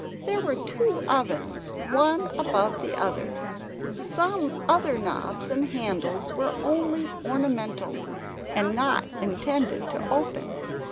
There were two ovens, one above the other; some other knobs and handles were only ornamental and not intended to open.